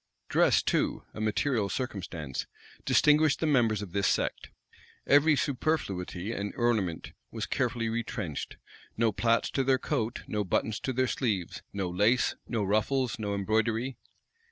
Dress too, a material circumstance, distinguished the members of this sect. Every superfluity and ornament was carefully retrenched: no plaits to their coat, no buttons to their sleeves; no lace, no ruffles, no embroidery.